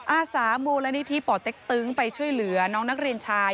อาสามูลนิธิป่อเต็กตึงไปช่วยเหลือน้องนักเรียนชาย